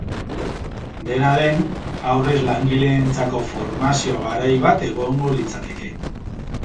Dena den, aurrez langileentzako formazio garai bat egongo litzateke.